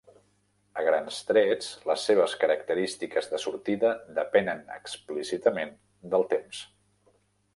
A grans trets, les seves característiques de sortida depenen explícitament del temps.